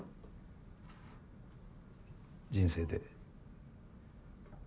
人生で。